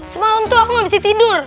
semalam tuh aku gak bisa tidur